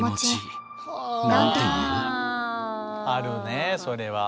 あるねそれは。